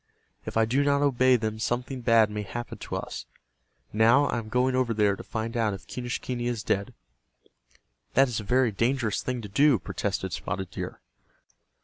If I do not obey them something bad may happen to us. Now I am going over there to find out if Quenischquney is dead." "That is a very dangerous thing to do," protested Spotted Deer.